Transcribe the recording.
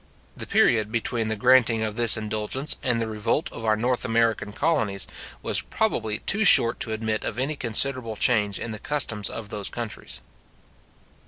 The period between the granting of this indulgence and the revolt of our North American colonies, was probably too short to admit of any considerable change in the customs of those countries.